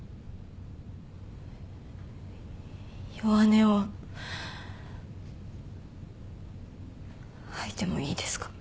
弱音を吐いてもいいですか。